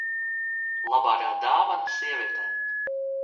Labākā dāvana sievietēm.